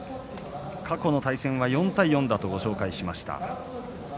過去の対戦は４対４とご紹介しました。